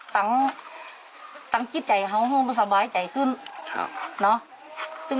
ต่างกิจใจเขามันสบายใจขึ้น